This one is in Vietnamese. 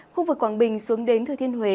khu vực quảng bình xuống đến thừa thiên huế